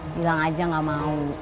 bilang aja gak mau